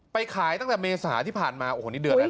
ขายตั้งแต่เมษาที่ผ่านมาโอ้โหนี่เดือนแล้ว